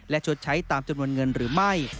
และชดใช้ตามจำนวนเงินหรือไม่